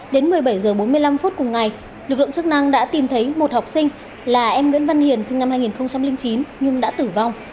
đến một mươi bảy h bốn mươi năm cùng ngày lực lượng chức năng đã tìm thấy một học sinh là em nguyễn văn hiền sinh năm hai nghìn chín nhưng đã tử vong